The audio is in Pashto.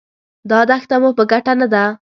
دا دښته مو په ګټه نه ده.